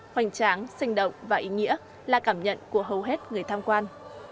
hoành tráng sinh động và ý nghĩa là cảm nhận của hầu hết người tham quan